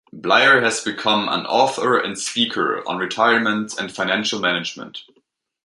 Bleier has become an author and speaker on retirement and financial management.